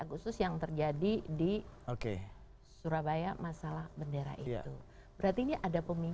sembilan belas agustus yang terjadi di surabaya masalah bendera itu berarti ini ada pemicu